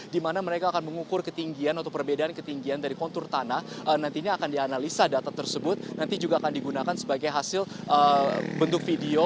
di mana mereka akan mengukur ketinggian atau perbedaan ketinggian dari kontur tanah nantinya akan dianalisa data tersebut nanti juga akan digunakan sebagai hasil bentuk video